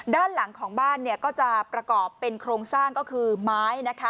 ด้านหลังของบ้านก็จะประกอบเป็นโครงสร้างก็คือไม้นะคะ